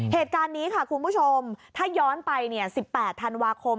เหตุการณ์นี้ค่ะคุณผู้ชมถ้าย้อนไป๑๘ธันวาคม